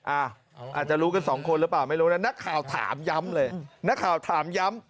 อาจารู้สองคนหรือเปล่าด้วยนักข่าวถามย้ำเลย